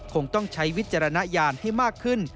คงต้องใช้วิจารณญาณให้มากขึ้น